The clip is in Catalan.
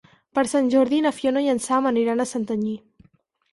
Per Sant Jordi na Fiona i en Sam aniran a Santanyí.